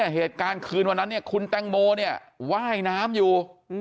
เหตุการณ์คืนวันนั้นคุณแตงโมเนี่ยว่ายน้ำอยู่